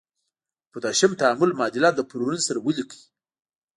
د پوتاشیم تعامل معادله له فلورین سره ولیکئ.